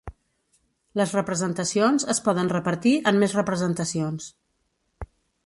Les representacions es poden repartir en més representacions.